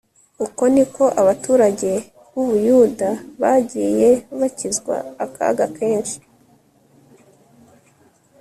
Uko ni ko abaturage bUbuyuda bagiye bakizwa akaga kenshi